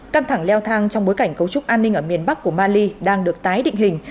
căng thẳng leo thang trong bối cảnh cấu trúc an ninh ở miền bắc của mali đang được tái định hình